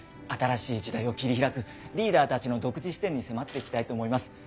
新しい時代を切り開くリーダーたちの独自視点に迫って行きたいと思います。